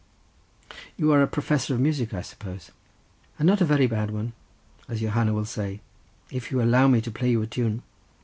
"You are a professor of music, I suppose?" "And not a very bad one as your hanner will say if you will allow me to play you a tune."